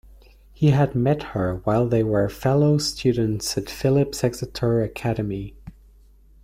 He had met her while they were fellow students at Phillips Exeter Academy.